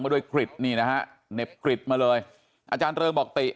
ด้วยกริดนี่นะฮะเหน็บกริดมาเลยอาจารย์เริงบอกติ